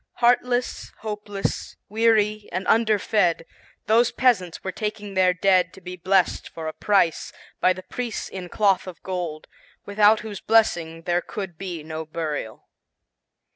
Heartless, hopeless, weary and underfed, those peasants were taking their dead to be blessed for a price, by the priest in cloth of gold, without whose blessing there could be no burial.